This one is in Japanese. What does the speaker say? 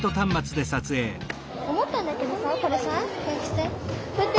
思ったんだけどさこれさこれかして。